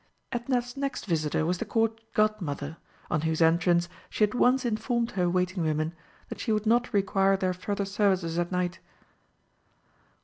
Edna's next visitor was the Court Godmother, on whose entrance she at once informed her waiting women that she would not require their further services that night.